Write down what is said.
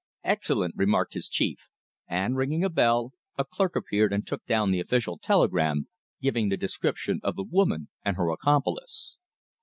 "Excellent," remarked his chief, and, ringing a bell, a clerk appeared and took down the official telegram, giving the description of the woman and her accomplice.